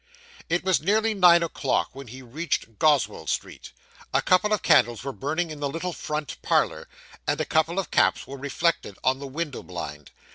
It was nearly nine o'clock when he reached Goswell Street. A couple of candles were burning in the little front parlour, and a couple of caps were reflected on the window blind.